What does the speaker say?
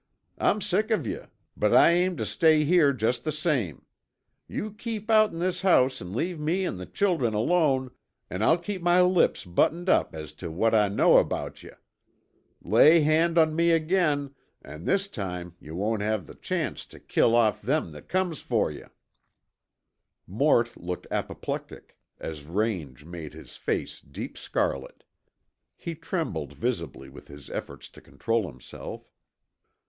I'm sick of yuh, but I aim tuh stay here just the same. You keep outen this house an' leave me an' the children alone an' I'll keep my lips buttoned up as tuh what I know about yuh! Lay hand on me again, an' this time yuh won't have the chance tuh kill off them that comes fer yuh!" Mort looked apoplectic, as rage made his face deep scarlet. He trembled visibly with his effort to control himself.